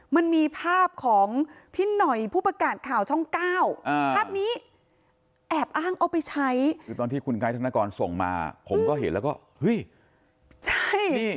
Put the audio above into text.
มันมีภาพของพี่หน่อยผู้ประกาศข่าวช่องเก้าภาพนี้แอบอ้างเอาไปใช้